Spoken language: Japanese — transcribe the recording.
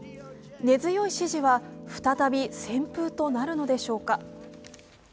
根強い支持は再び旋風となるのでしょうか。